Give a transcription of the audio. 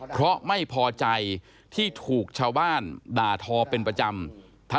เพราะไม่พอใจที่ถูกชาวบ้านด่าทอเป็นประจำ